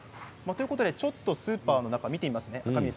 ちょっとスーパーの中を見てみますね。